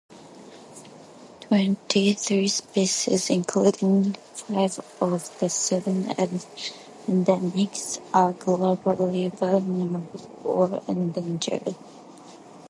Twenty-three species, including five of the seven endemics, are globally vulnerable or endangered.